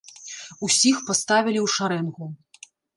Усіх паставілі ў шарэнгу.